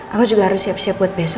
aku juga harus siap siap buat besok